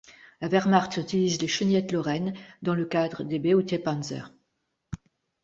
La Wehrmacht utilise les chenillettes Lorraine dans le cadre des Beutepanzer.